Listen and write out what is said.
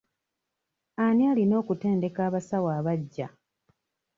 Ani alina okutendeka abasawo abaggya?